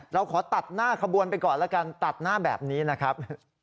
เราขอตัดหน้าขบวนไปก่อนแล้วกันตัดหน้าแบบนี้นะครับ